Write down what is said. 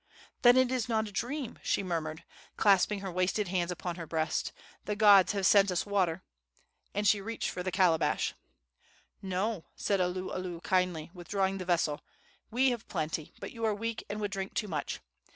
"Then it is not a dream!" she murmured, clasping her wasted hands upon her breast. "The gods have sent us water!" And she reached for the calabash. "No," said Oluolu kindly, withdrawing the vessel. "We have plenty, but you are weak and would drink too much.